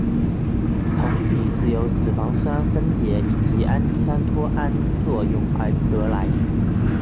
酮体是由脂肪酸分解以及氨基酸脱氨作用而得来。